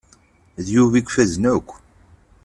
D Yuba i ifazen akk.